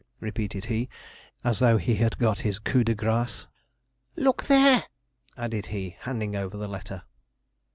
repeated he, as though he had got his coup de grâce; 'look there,' added he, handing over the letter.